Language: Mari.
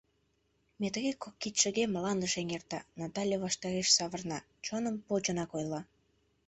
Метрий кок кидшыге мландыш эҥерта, Натале ваштареш савырна, чоным почынак ойла: